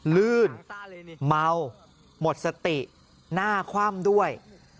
ลื่นเมาหมดสติหน้าคว่ำด้วย